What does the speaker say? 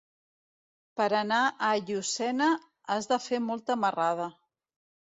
Per anar a Llucena has de fer molta marrada.